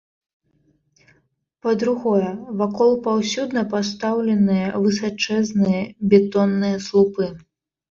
Па-другое, вакол паўсюдна пастаўленыя высачэзныя бетонныя слупы.